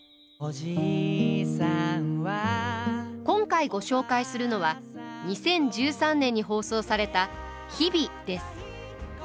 今回ご紹介するのは２０１３年に放送された「日々」です。